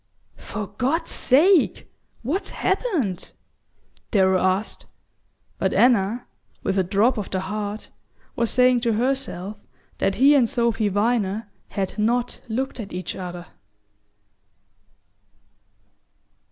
"For God's sake, what's happened?" Darrow asked; but Anna, with a drop of the heart, was saying to herself that he and Sophy Viner had not looked at each other.